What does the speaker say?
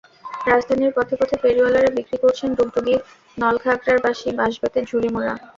রাজধানীর পথে পথে ফেরিওয়ালারা বিক্রি করছেন ডুগডুগি, নলখাগড়ার বাঁশি, বাঁশ-বেতের ঝুরি-মোড়া।